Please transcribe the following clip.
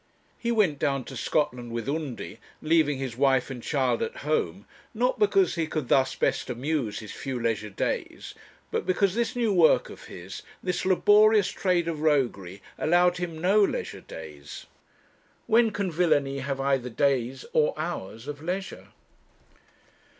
He went down to Scotland with Undy, leaving his wife and child at home, not because he could thus best amuse his few leisure days, but because this new work of his, this laborious trade of roguery, allowed him no leisure days. When can villany have either days or hours of leisure?